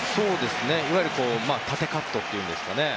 いわゆる縦カットというんですかね。